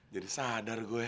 jadi sadar gue